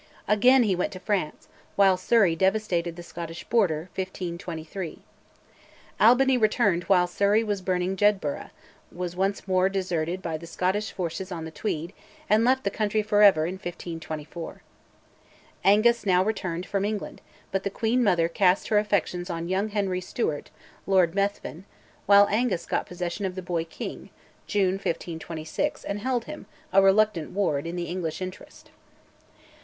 Again he went to France, while Surrey devastated the Scottish Border (1523). Albany returned while Surrey was burning Jedburgh, was once more deserted by the Scottish forces on the Tweed, and left the country for ever in 1524. Angus now returned from England; but the queen mother cast her affections on young Henry Stewart (Lord Methven), while Angus got possession of the boy king (June 1526) and held him, a reluctant ward, in the English interest.